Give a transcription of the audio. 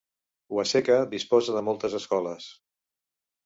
Waseca disposa de moltes escoles.